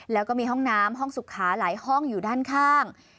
แล้วก็มีห้องน้ำห้องสุขาหลายห้องอยู่ด้านข้าง